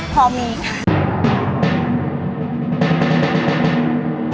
พอมีค่ะ